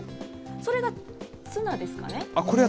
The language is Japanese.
それがツナです。